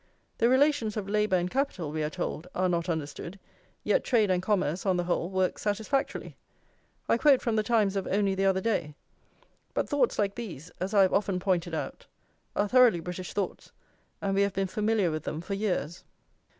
The relations of labour and capital, we are told, are not understood, yet trade and commerce, on the whole, work satisfactorily." I quote from The Times of only the other day. But thoughts like these, as I have often pointed out, are thoroughly British thoughts, and we have been familiar with them for years.